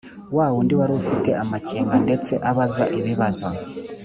wa wundi wari ufite amakenga ndetse abaza ibibazo